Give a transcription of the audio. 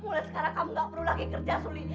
mulai sekarang kamu tidak perlu lagi kerja suli